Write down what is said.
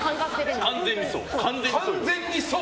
完全にそう！